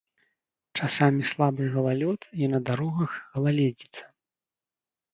Часамі слабы галалёд і на дарогах галаледзіца.